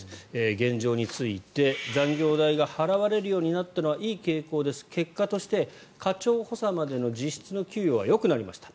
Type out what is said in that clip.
現状について残業代が払われるようになったのはいい傾向です結果として課長補佐までの実質の給与はよくなりました。